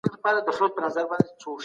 موږ د سياسي واک بنسټونه پېژندلي دي.